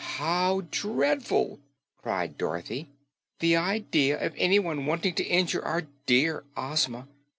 "How dreadful!" cried Dorothy. "The idea of anyone wanting to injure our dear Ozma!